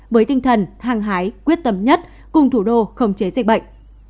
với tinh thần hăng hái quyết tâm nhất cùng thủ đô khống chế dịch bệnh